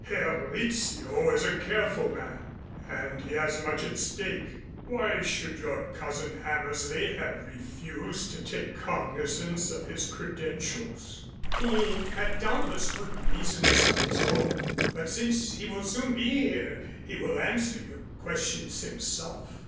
Herr Rizzio is a careful man and he has much at stake. Why should your cousin Hammersley have refused to take cognizance of his credentials?" "He had doubtless good reasons of his own. But since he will soon be here he will answer your questions himself.